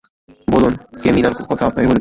বলুন, কে মীনার কথা আপনাকে বলেছে?